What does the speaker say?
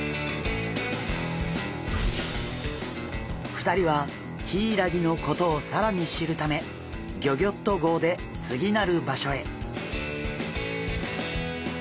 ２人はヒイラギのことをさらに知るためギョギョッと号で次なる場所へ。